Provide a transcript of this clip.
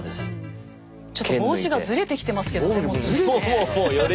ちょっと帽子がずれてきてますけどねもう既にね。